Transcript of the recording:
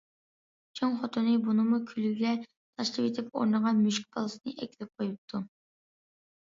چوڭ خوتۇنى بۇنىمۇ كۈلگە تاشلىۋېتىپ، ئورنىغا مۈشۈك بالىسىنى ئەكېلىپ قويۇپتۇ.